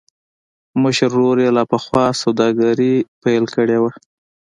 مشر ورور يې لا پخوا سوداګري پيل کړې وه.